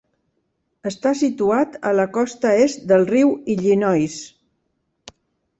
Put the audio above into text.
Està situat a la costa est del riu Illinois.